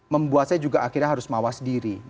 membuat saya juga akhirnya harus mawas diri